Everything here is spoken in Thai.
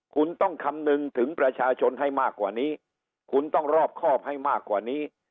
คุณต้องคำนึงถึงประชาชนให้มากกว่านี้คุณต้องรอบครอบให้มากกว่านี้